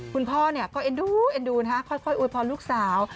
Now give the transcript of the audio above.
คุณพ่อเนี่ยก็เอ็นดูเอ็นดูนะฮะค่อยอวยพรลูกสาว